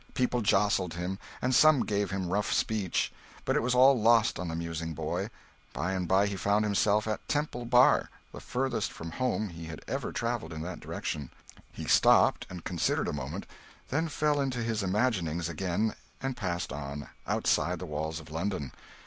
People jostled him, and some gave him rough speech; but it was all lost on the musing boy. By and by he found himself at Temple Bar, the farthest from home he had ever travelled in that direction. He stopped and considered a moment, then fell into his imaginings again, and passed on outside the walls of London.